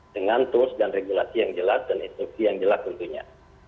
dengan tools dan regulasi yang jelas dan instruksi yang jelas tentunya